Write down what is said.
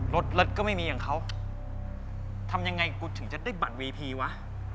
รถรถก็ไม่มีอย่างเขาทำยังไงกูถึงจะได้บัตรวีพีวะ